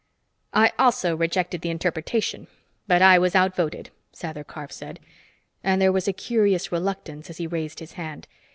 "I also rejected the interpretation, but I was out voted," Sather Karf said, and there was a curious reluctance as he raised his hand.